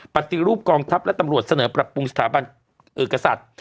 ปฏิรูปกองทัพและตำรวจเสนอปรับปรุงสถาบันเอกษัตริย์